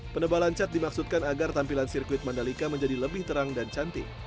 penebalan cat dimaksudkan agar tampilan sirkuit mandalika menjadi lebih terang dan cantik